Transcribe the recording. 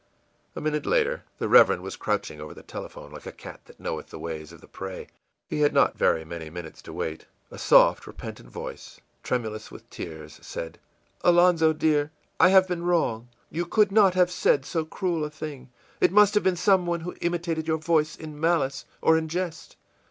î A minute later the Reverend was crouching over the telephone like a cat that knoweth the ways of the prey. He had not very many minutes to wait. A soft, repentant voice, tremulous with tears, said: ìAlonzo, dear, I have been wrong. You could not have said so cruel a thing. It must have been some one who imitated your voice in malice or in jest.